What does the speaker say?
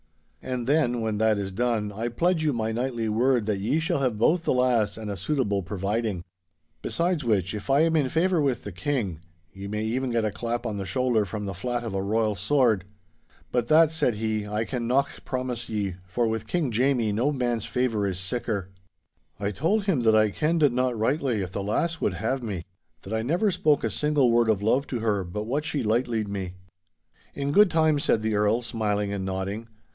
And then, when that is done, I pledge you my knightly word that ye shall have both the lass and a suitable providing. Besides which, if I am in favour with the King, ye may even get a clap on the shoulder from the flat of a royal sword. But that,' said he, 'I can nocht promise ye, for with King Jamie no man's favour is siccar.' I told him that I kenned not rightly if the lass would have me; that I never spoke a single word of love to her but what she lightlied me. 'In good time,' said the Earl, smiling and nodding.